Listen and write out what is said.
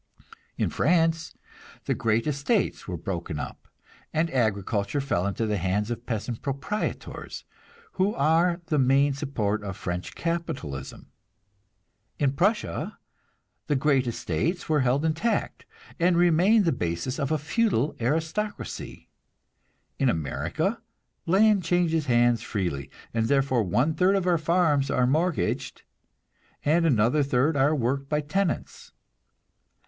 In France the great estates were broken up, and agriculture fell into the hands of peasant proprietors, who are the main support of French capitalism. In Prussia the great estates were held intact, and remained the basis of a feudal aristocracy. In America land changes hands freely, and therefore one third of our farms are mortgaged, and another third are worked by tenants.